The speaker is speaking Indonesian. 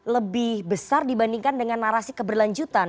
lebih besar dibandingkan dengan narasi keberlanjutan